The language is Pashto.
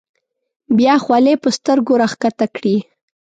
بیا خولۍ په سترګو راښکته کړي.